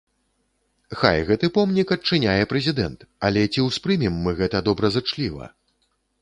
Хай гэты помнік адчыняе прэзідэнт, але ці ўспрымем мы гэта добразычліва?